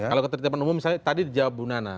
kalau ketertiban umum misalnya tadi dijawab bu nana